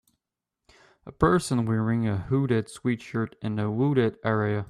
A person wearing a hooded sweatshirt in a wooded area.